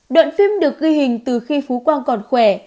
đoạn phim được ghi hình từ khi phú quang còn khỏe